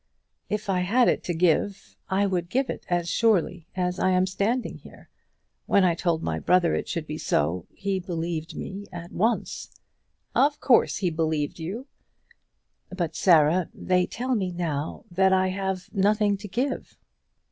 "If I had it to give I would give it as surely as I am standing here. When I told my brother it should be so, he believed me at once." "Of course he believed you." "But Sarah, they tell me now that I have nothing to give."